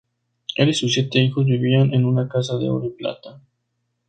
Él y sus siete hijos vivían en una casa de oro y plata.